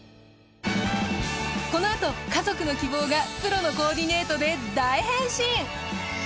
このあと家族の希望がプロのコーディネートで大変身！